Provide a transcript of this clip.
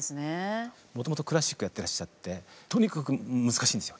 もともとクラシックやってらっしゃってとにかく難しいんですよ